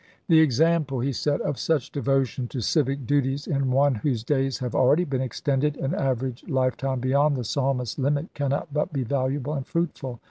"The example," he said, "of such devotion to civic duties in one whose days have already been extended an average lifetime beyond the Psalmist's limit cannot but be valuable and fruitful.